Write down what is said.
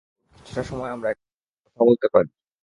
Oxford, কিছুটা সময় আমরা একান্তে কথা বলতে পারি?